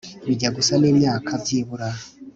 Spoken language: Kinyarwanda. bijya gusa n imyaka byibura